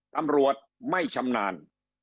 ตำรวจไม่ชำนาญ